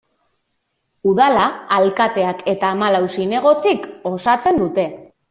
Udala alkateak eta hamalau zinegotzik osatzen dute.